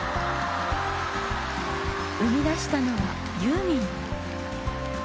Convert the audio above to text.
生み出したのはユーミン。